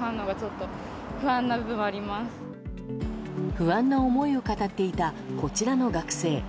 不安な思いを語っていたこちらの学生。